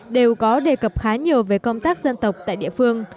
đều có đề cập khá nhiều về công tác dân tộc tại địa phương